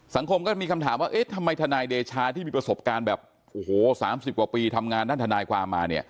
สังคมก็มีคำถามว่าทำไมทนายเดชาที่มีประสบการณ์แบบ๓๐กว่าปีทำงานด้านทนายกว่ามา